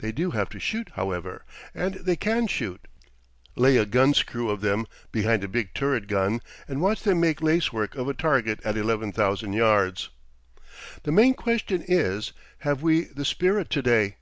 They do have to shoot, however; and they can shoot. Lay a gun's crew of them behind a big turret gun and watch them make lacework of a target at 11,000 yards. The main question is, Have we the spirit to day?